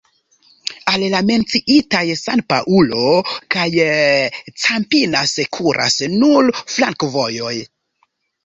Al la menciitaj San-Paŭlo kaj Campinas kuras nur flankovojoj.